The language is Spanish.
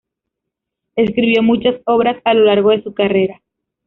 Escribió muchas obras a lo largo de su carrera.